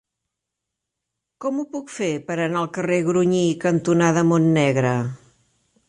Com ho puc fer per anar al carrer Grunyí cantonada Montnegre?